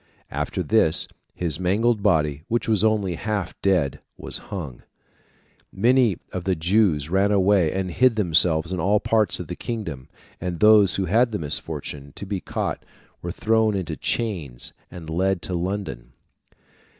After this, his mangled body, which was only half dead, was hung (Fig. 359). Many of the Jews ran away and hid themselves in all parts of the kingdom, and those who had the misfortune to be caught were thrown into chains and led to London.